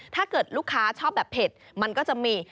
ถ้าเกิดลูกค้าชอบแบบเผ็ดมันก็จะมี